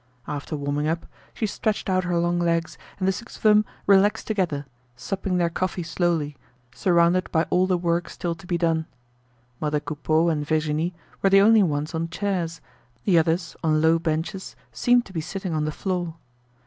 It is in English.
After warming up, she stretched out her long legs and the six of them relaxed together, supping their coffee slowly, surround by all the work still to be done. Mother Coupeau and Virginie were the only ones on chairs, the others, on low benches, seemed to be sitting on the floor.